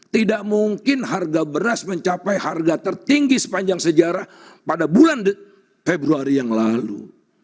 tidak mungkin harga beras mencapai harga tertinggi sepanjang sejarah pada bulan februari yang lalu